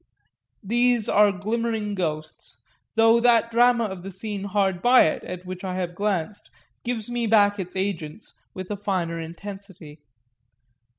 These are glimmering ghosts, though that drama of the scene hard by at which I have glanced gives me back its agents with a finer intensity.